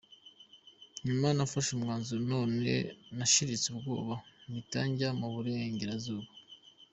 Nyuma nafashe umwanzuro noneho nashiritse ubwoba, mpita njya mu Burengerazuba.